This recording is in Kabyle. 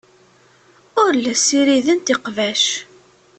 Ur la ssirident iqbac.